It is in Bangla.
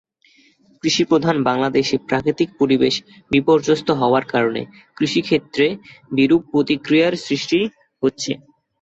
কৃষিপ্রধান বাংলাদেশে প্রাকৃতিক পরিবেশ বিপর্যস্ত হওয়ার কারণে কৃষিক্ষেত্রে বিরূপ প্রতিক্রিয়ার সৃষ্টি হচ্ছে।